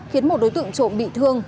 khiến một đối tượng trộn bị thương